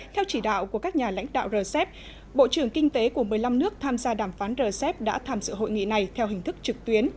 theo chỉ đạo của các nhà lãnh đạo rcep bộ trưởng kinh tế của một mươi năm nước tham gia đàm phán rcep đã tham dự hội nghị này theo hình thức trực tuyến